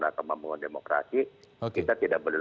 dalam pembangunan demokrasi kita tidak boleh